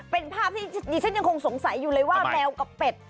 เป็นภาพที่ดียังคงสงสัยว้าแมวกับเป็ด